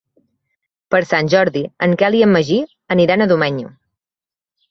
Per Sant Jordi en Quel i en Magí aniran a Domenyo.